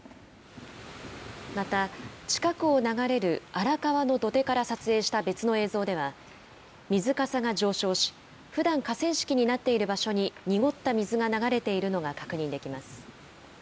また、近くを流れる荒川の土手から撮影した別の映像では、水かさが上昇し、ふだん河川敷になっている場所に濁った水が流れているのが確認できます。